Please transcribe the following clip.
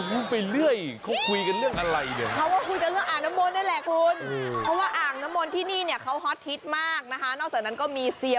แค่ยาวได้เขาบอกอะไรรู้มั้ย